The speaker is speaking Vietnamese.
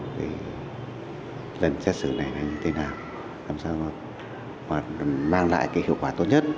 thì lần xét xử này là như thế nào làm sao nó mang lại cái hiệu quả tốt nhất